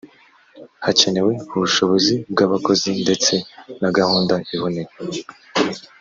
hakenewe ubushobozi bw’abakozi ndetse na gahunda iboneye